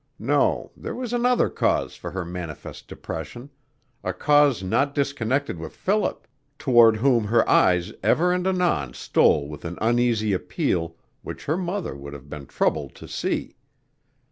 No, there was another cause for her manifest depression, a cause not disconnected with Philip, toward whom her eyes ever and anon stole with an uneasy appeal which her mother would have been troubled to see.